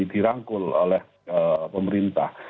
dirangkul oleh pemerintah